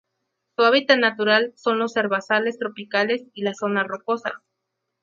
Su hábitat natural son los herbazales tropicales y las zonas rocosas.